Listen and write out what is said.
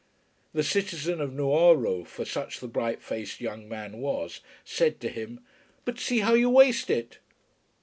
The citizen of Nuoro, for such the bright faced young man was, said to him "But see how you waste it."